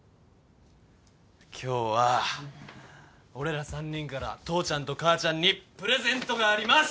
今日は俺ら３人から父ちゃんと母ちゃんにプレゼントがあります！